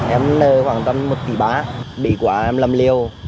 em nợ khoảng tầm một tỷ bá bị quá em làm liều